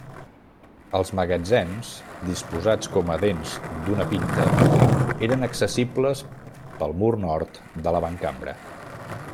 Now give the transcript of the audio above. Els magatzems disposats com a dents d'una pinta eren accessibles pel mur nord de l'avantcambra.